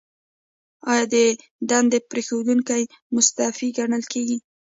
ایا د دندې پریښودونکی مستعفي ګڼل کیږي؟